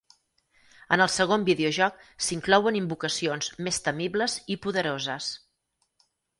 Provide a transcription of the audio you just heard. En el segon videojoc s'inclouen invocacions més temibles i poderoses.